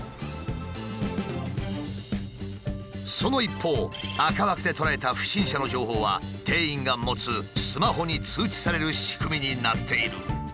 その一方赤枠で捉えた不審者の情報は店員が持つスマホに通知される仕組みになっている。